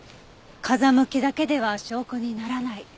風向きだけでは証拠にならない。